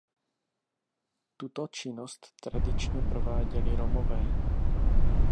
Tuto činnost tradičně prováděli Romové.